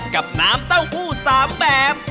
กับน้ำเต้าหู้๓แบบ